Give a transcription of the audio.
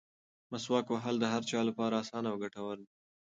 مسواک وهل د هر چا لپاره اسانه او ګټور دي.